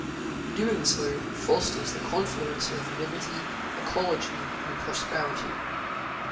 Doing so fosters the confluence of liberty, ecology, and prosperity.